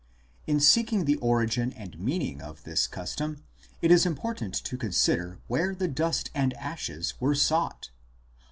8 In seeking the origin and meaning of this custom it is important to consider where the dust and ashes were sought.